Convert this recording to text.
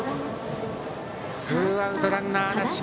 ツーアウトランナーなし。